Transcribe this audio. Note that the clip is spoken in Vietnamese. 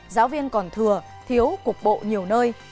giáo viên còn thừa thiếu cục bộ nhiều nơi